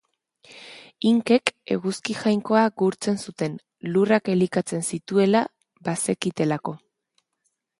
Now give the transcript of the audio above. Inkek eguzki jainkoa gurtzen zuten, lurrak elikatzen zituela bazekitelako.